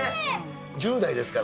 １０代ですから。